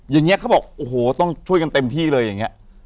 อย่างนี้เขาบอกโอ้โหต้องช่วยกันเต็มที่เลยอย่างนี้